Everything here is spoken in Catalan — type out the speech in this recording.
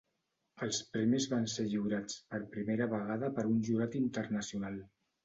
Els premis van ser lliurats per primera vegada per un jurat internacional.